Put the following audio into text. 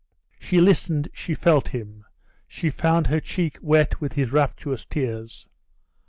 She listened, she felt him, she found her cheek wet with his rapturous tears.